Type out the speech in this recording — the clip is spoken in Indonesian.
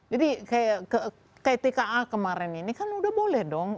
jadi kayak tka kemarin ini kan udah boleh dong